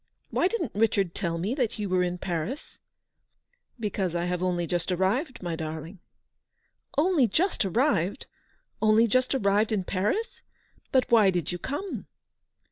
Why didn't Richard tell me that you were in Paris ?"" Because I have only just arrived, my darling." " Only just arrived ! Only just arrived in Paris ! But why did you come